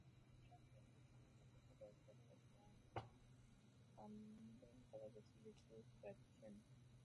Mucha gente cuyos antepasados se relacionaron con los manden todavía sigue sus tradiciones.